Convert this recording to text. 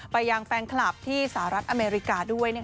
ไปยังแฟนคลับที่สหรัฐอเมริกาด้วย